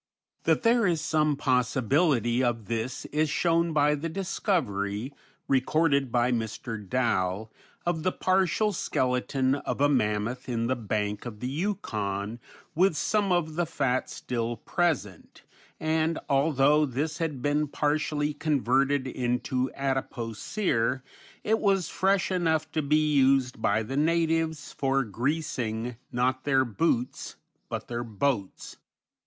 That there is some possibility of this is shown by the discovery, recorded by Mr. Dall, of the partial skeleton of a mammoth in the bank of the Yukon with some of the fat still present, and although this had been partially converted into adipocere, it was fresh enough to be used by the natives for greasing, not their boots, but their boats.